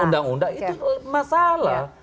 undang undang itu masalah